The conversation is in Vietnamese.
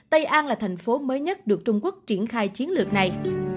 tây an là thành phố mới nhất được trung quốc triển khai chiến lược này